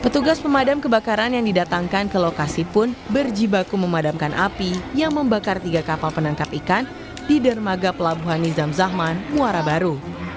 petugas pemadam kebakaran yang didatangkan ke lokasi pun berjibaku memadamkan api yang membakar tiga kapal penangkap ikan di dermaga pelabuhan nizam zahman muara baru